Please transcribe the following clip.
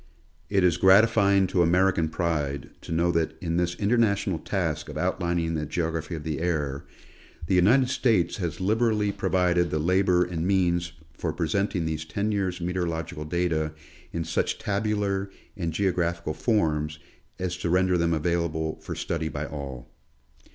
It is gratifying to American pride to know that in this international task of outlining the geogi'aphy of the air, the United States has liberally provided the labor and means for presenting these ten years' meteorological data in such tabular and geographical forms as to render them available for study by all.